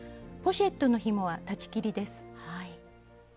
ポシェットのひもは裁ち切りです。